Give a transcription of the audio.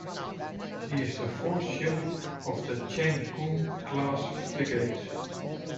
She is the fourth ship of the "Cheng Kung"-class frigates.